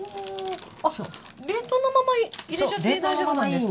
あっ冷凍のまま入れちゃって大丈夫なんですか？